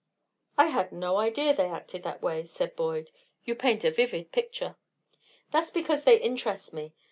"I had no idea they acted that way," said Boyd. "You paint a vivid picture." "That's because they interest me.